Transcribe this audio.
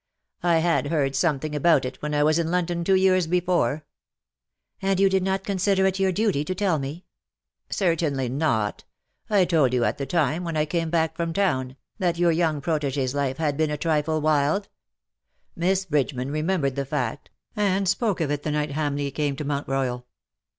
" I had heard something about it when I was in London two years before." "And you did not consider it your duty to tell me ?"" Certainly not. I told you at the time, when I came back from town, that your young protege's LE SECRET DE POLICHINELLE. 247 life had been a trifle wild. Miss Bridgeman remem bered the fact, and spoke of it the night Hamleigh came to Mount Royal.